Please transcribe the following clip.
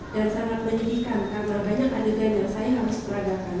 dan sangat menyedihkan karena banyak adegan yang saya harus peradakan